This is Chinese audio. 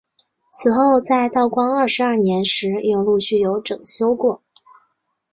此后在道光二十二年时又陆续有整修过。